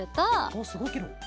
おっすごいケロ。